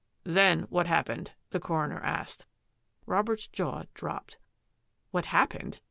" Then what happened? " the coroner asked. Robert's jaw dropped. "What happened?"